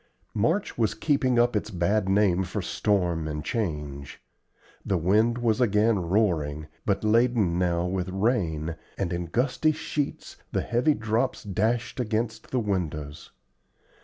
March was keeping up its bad name for storm and change. The wind was again roaring, but laden now with rain, and in gusty sheets the heavy drops dashed against the windows.